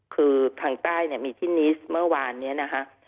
คือทางใต้เนี่ยมีที่นิสเมื่อวานนี้นะคะ